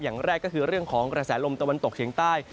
อย่างแรกก็คือเรื่องของกระแสลมตะวันตกเฉียงใต้